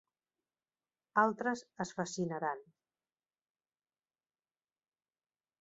Altres es fascinaran.